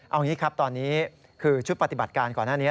เอางี้ครับตอนนี้คือชุดปฏิบัติการก่อนหน้านี้